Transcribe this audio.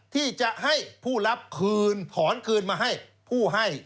ที่จะให้ผู้รับคืนถอนคืนมาให้ผู้ให้